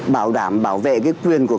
bảo đảm bảo vệ cái quyền của